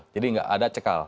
jadi nggak ada cekal